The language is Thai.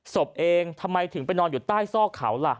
ศพเองทำไมถึงไปนอนอยู่ใต้ซอกเขาล่ะ